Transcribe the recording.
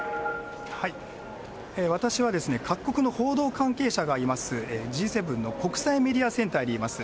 私は、各国の報道関係者がいます、Ｇ７の国際メディアセンターにいます。